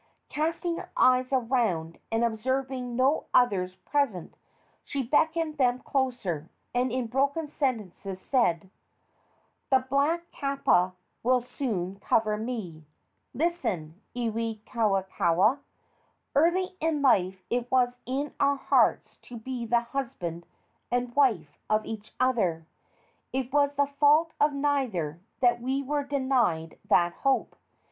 Casting her eyes around and observing no others present, she beckoned them closer, and in broken sentences said: "The black kapa will soon cover me. Listen, Iwikauikaua! Early in life it was in our hearts to be the husband and wife of each other. It was the fault of neither that we were denied that hope.